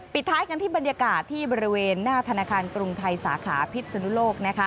ท้ายกันที่บรรยากาศที่บริเวณหน้าธนาคารกรุงไทยสาขาพิษนุโลก